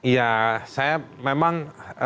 ya saya memang